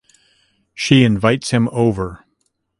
She invites him over.